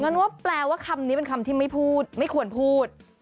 งั้นว่าแปลว่าคำนี้เป็นคำที่ไม่พูดไม่ควรพูด